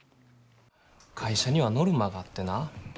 会社にはノルマがあってな